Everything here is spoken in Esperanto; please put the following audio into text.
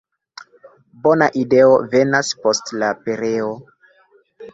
Bona ideo venas post la pereo.